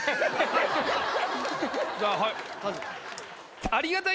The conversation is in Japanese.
じゃあはい。